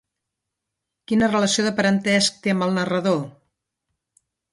Quina relació de parentesc té amb el narrador?